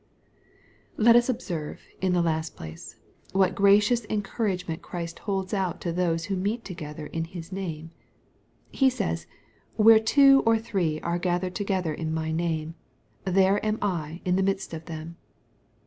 Let us observe, in the last place, what graciovs encour agement Christ holds out to those who meet together in His name. He says, " Where two or three are gathered together in my name, there am I in the midst of them."